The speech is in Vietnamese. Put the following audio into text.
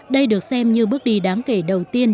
đây được xem như bước đi đáng kể đầu tiên